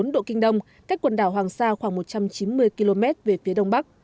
một trăm một mươi bốn độ kinh đông cách quần đảo hoàng sa khoảng một trăm chín mươi km về phía đông bắc